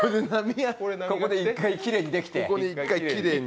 ここで一回きれいにできて。